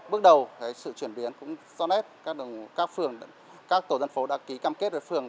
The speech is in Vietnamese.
bước đầu sự chuyển biến cũng do nét các tổ dân phố đã ký cam kết với phương